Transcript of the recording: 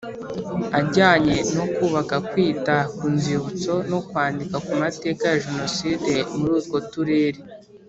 ajyanye no kubaka kwita ku Nzibutso no kwandika ku mateka ya Jenoside muri utwo Turere